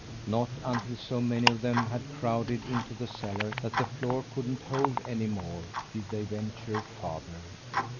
Not until so many of them had crowded into the cellar that the floor couldn't hold any more, did they venture farther.